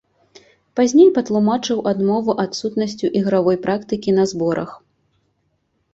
Пазней патлумачыў адмову адсутнасцю ігравой практыкі на зборах.